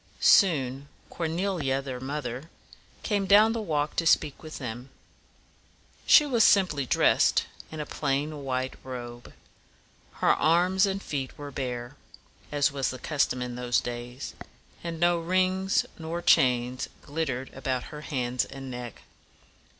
Soon Cor ne´li a, their mother, came down the walk to speak with them. She was simply dressed in a plain white robe. Her arms and feet were bare, as was the custom in those days; and no rings nor chains glit tered about her hands and neck.